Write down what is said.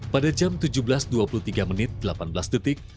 pada jam tujuh belas dua puluh tiga menit delapan belas detik